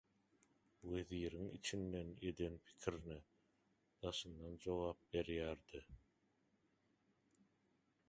weziriň içinden eden pikirine daşyndan jogap berýär-de